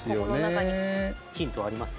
ヒントあります？